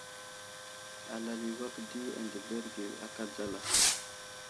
Alal i awak di adəverge aka dzala.